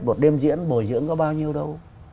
một đêm diễn bồi dưỡng có bao nhiêu đâu